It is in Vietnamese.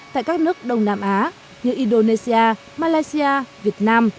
tại các nước đông nam á như indonesia malaysia việt nam